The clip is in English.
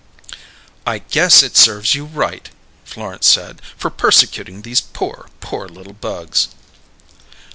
"I guess it serves you right," Florence said, "for persecutin' these poor, poor little bugs."